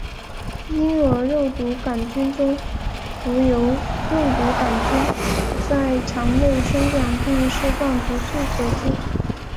婴儿肉毒杆菌中毒由肉毒杆菌在肠内生长并释放毒素所致。